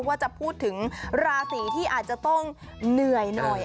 ว่าจะพูดถึงราศีที่อาจจะต้องเหนื่อยหน่อย